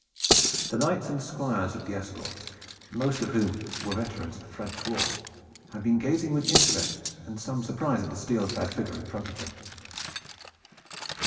The knights and squires of the escort, most of whom were veterans of the French war, had been gazing with interest and some surprise at the steel clad figure in front of them.